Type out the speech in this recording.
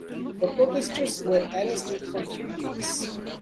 The protesters were arrested for three days.